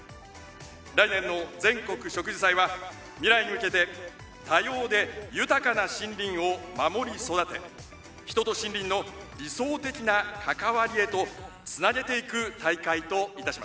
来年の全国植樹祭は未来に向けて多様で豊かな森林を守り育て人と森林の理想的な関わりへとつなげていく大会といたします。